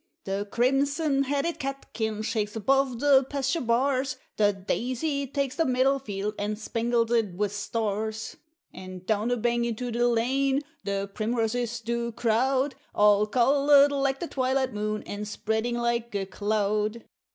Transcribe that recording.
The crimson headed catkin shakes above the pasture bars, The daisy takes the middle field, and spangles it with stars, And down the bank into the lane the primroses do crowd, All coloured like the twilight moon, and spreading like a cloud!